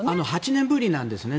８年ぶりなんですね。